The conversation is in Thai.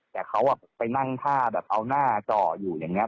แต่เขาไปนั่งท่าแบบเอาหน้าจ่ออยู่อย่างนี้